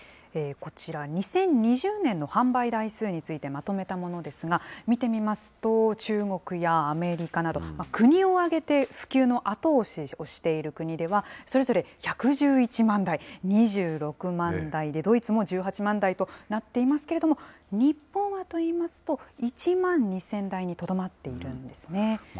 こちら、２０２０年の販売台数についてまとめたものですが、見てみますと、中国やアメリカなど、国を挙げて普及の後押しをしている国では、それぞれ１１１万台、２６万台で、ドイツも１８万台となっていますけれども、日本はといいますと、１万２０００台にとどまっているんですね。